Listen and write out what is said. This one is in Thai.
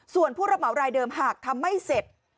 ส่วนผู้รับเหมารายเดิมหากทำไม่เสร็จ